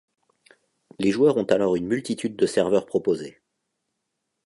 Les joueurs ont alors une multitude de serveurs proposés.